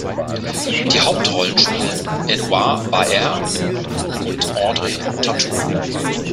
Die Hauptrollen spielen Édouard Baer und Audrey Tautou.